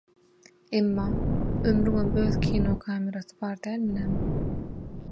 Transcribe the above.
Emma ömrüňem öz «kino kamerasy» bar dälmi näme?